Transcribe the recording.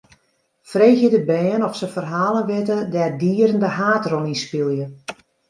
Freegje de bern oft se ferhalen witte dêr't dieren de haadrol yn spylje.